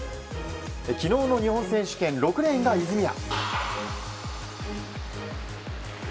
昨日の日本選手権６レーンが泉谷。